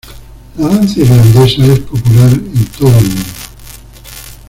La danza irlandesa es popular en todo el mundo.